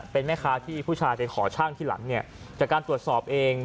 เป็นแม่ค้าที่ผู้ชายไปขอช่างที่หลังเนี่ยจากการตรวจสอบเอง